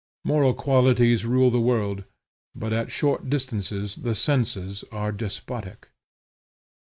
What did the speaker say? Moral qualities rule the world, but at short distances the senses are despotic.